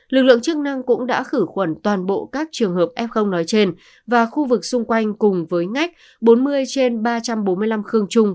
lực lượng chức năng cũng đã khử khuẩn toàn bộ các trường hợp f nói trên và khu vực xung quanh cùng với ngách bốn mươi trên ba trăm bốn mươi năm khương trung